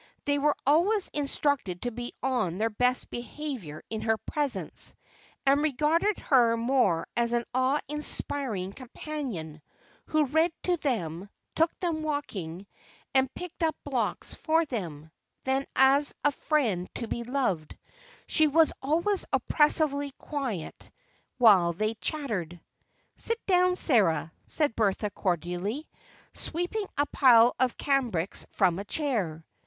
They were always instructed to be on their best behavior in her presence, and regarded her more as an awe inspiring companion, who read to them, took them walking, and picked up blocks for them, than as a friend to be loved; she was always oppressively quiet while they chattered. "Sit down, Sarah," said Bertha cordially, sweeping a pile of cambrics from a chair.